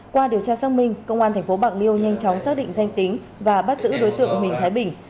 qua điều tra xác minh công an tp bạc liêu nhanh chóng xác định danh tính và bắt giữ đối tượng huỳnh thái bình